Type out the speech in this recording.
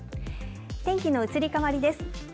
天気の移り変わりです。